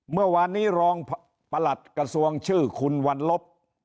เมื่อวานนี้รองประหลัดกระทรวงชื่อคุณวันลบ